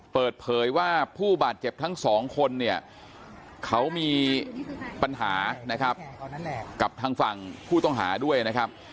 เปิดเผยว่าผู้บาดเจ็บทั้งสองคนเนี่ยเขามีปัญหานะครับกับทางฝั่งผู้ต้องหาด้วยนะครับ